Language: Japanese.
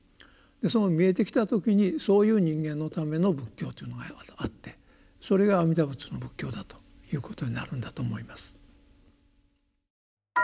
その見えてきた時にそういう人間のための仏教というのがあってそれが阿弥陀仏の仏教だということになるんだと思います。